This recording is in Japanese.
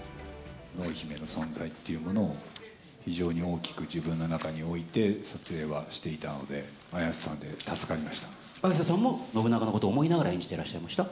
濃姫の存在というものを非常に大きく自分の中に置いて、撮影はしていたので、綾瀬さんで助かりました。